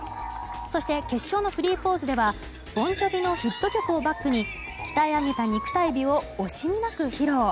そして決勝のフリーポーズではボン・ジョヴィのヒット曲をバックに鍛え上げた肉体美を惜しみなく披露。